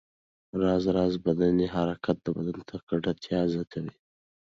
راز راز بدني حرکتونه د بدن تکړتیا زیاتوي.